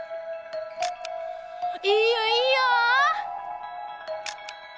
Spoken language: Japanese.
いいよいいよ！